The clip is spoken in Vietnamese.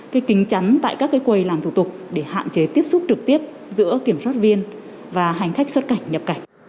để hạn chế tiếp xúc trực tiếp giữa kiểm soát viên và hành khách xuất cảnh nhập cảnh